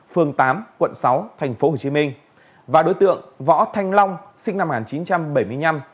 phường tám quận sáu tp hcm và đối tượng võ thanh long sinh năm một nghìn chín trăm bảy mươi năm